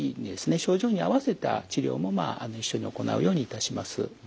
症状に合わせた治療も一緒に行うようにいたします。